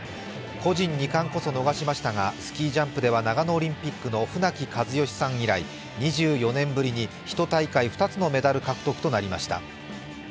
個人２冠こそ逃しましたがスキージャンプでは長野オリンピックの船木和喜さん以来２４年ぶりに１大会２つのメダル獲得となりました。